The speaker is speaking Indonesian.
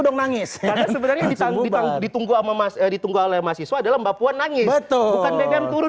dong nangis ditunggu tunggu ditunggu oleh mahasiswa dalam mbak puan nangis betul turun